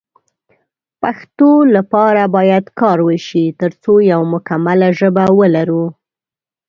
پښتو لپاره باید کار وشی ترڅو یو مکمله ژبه ولرو